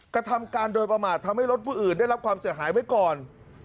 กระทำการโดยประมาททำให้รถผู้อื่นได้รับความเสียหายไว้ก่อน